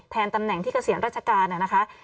ตำแหน่งที่เกษียณราชการนะคะ